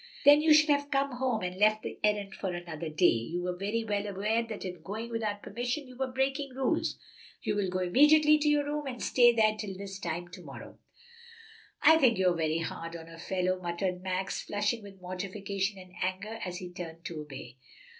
"Then you should have come home and left the errand for another day. You were well aware that in going without permission you were breaking rules. You will go immediately to your room and stay there until this time to morrow." "I think you're very hard on a fellow," muttered Max, flushing with mortification and anger as he turned to obey.